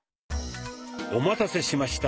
お待たせしました。